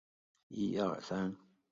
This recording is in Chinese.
王玉藻只得还朝。